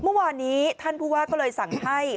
เมื่อวานนี้ท่านผู้ว่าก็เลยสั่งให้